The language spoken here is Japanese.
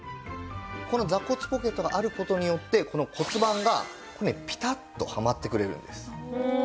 この座骨ポケットがある事によってこの骨盤がぴたっとはまってくれるんです。